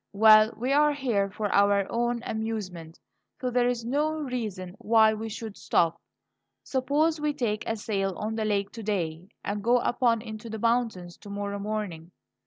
Well, we are here for our own amusement, so there is no reason why we should stop. Suppose we take a sail on the lake to day, and go up into the mountains to morrow morning?"